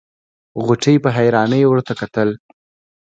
غوټۍ په حيرانۍ ورته کتل.